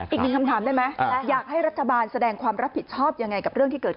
อีกหนึ่งคำถามได้ไหมอยากให้รัฐบาลแสดงความรับผิดชอบยังไงกับเรื่องที่เกิดขึ้น